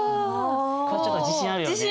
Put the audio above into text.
これちょっと自信あるよね。